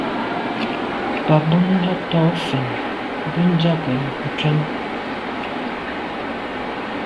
Bɑ̀ búnə́ lá tɔ̌ fɛ̀n ngə ndzɑ̂k ncwɛ́n.